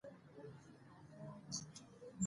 افغانستان د سیندونه په برخه کې نړیوال شهرت لري.